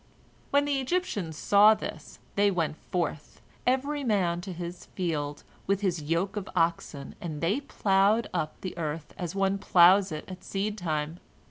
When the Egyptians saw this, they went forth, every man to his field, with his yoke of oxen, and they ploughed up the earth as one ploughs it at seed time.